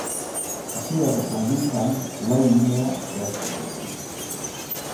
Hasierako plangintzan lau linea zehaztu ziren.